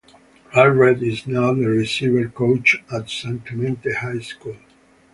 Allred is now the receiver coach at San Clemente High School.